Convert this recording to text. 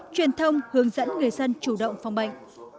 truyền thông hướng dẫn người dân chủ động phòng bệnh